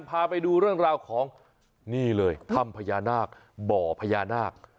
พาไปดูเรื่องราวของนี่เลยถ้ำพญานาคบ่อพญานาค